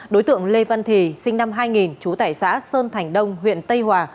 đối tượng lê văn thì sinh năm hai nghìn chú tải xã sơn thành đông huyện tây hòa